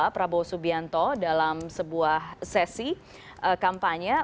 prabowo subianto dalam sebuah sesi kampanye